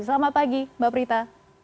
selamat pagi mbak prita